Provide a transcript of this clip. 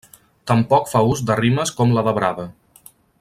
Tampoc fa ús de rimes com la de Brava.